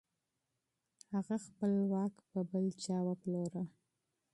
هغه خپل واک په بل چا وپلوره.